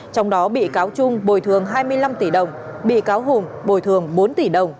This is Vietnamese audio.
trong đó bị cáo trung bồi thường hai mươi năm tỷ đồng bị cáo hùng bồi thường bốn tỷ đồng